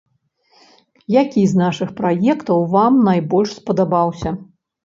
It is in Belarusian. Які з нашых праектаў вам найбольш спадабаўся?